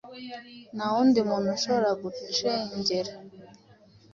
Nta wundi muntu ushobora gucengera